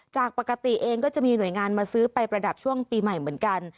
จากปกติเองก็จะมีหน่วยงานมาซื้อไปประดับช่วงปีใหม่เหมือนกัน